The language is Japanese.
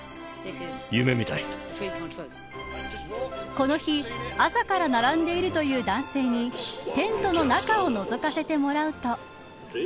この日朝から並んでいるという男性にテントの中をのぞかせてもらうと。